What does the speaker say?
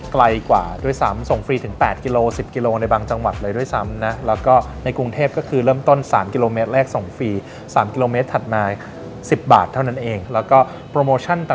ไกลกว่าโดยซ้ำส่งฟรีถึง๘กิโล